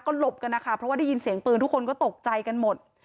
ก็หลบกันนะคะเพราะว่าได้ยินเสียงปืนทุกคนก็ตกใจกันหมด